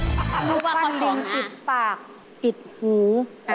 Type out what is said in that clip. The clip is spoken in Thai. คำถามว่าข้อ๒อ่ะปิดปากปิดหู